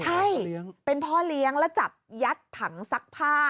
ใช่เป็นพ่อเลี้ยงแล้วจับยัดถังซักผ้า